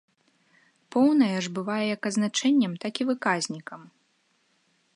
Поўная ж бывае як азначэннем, так і выказнікам.